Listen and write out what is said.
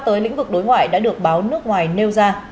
tới lĩnh vực đối ngoại đã được báo nước ngoài nêu ra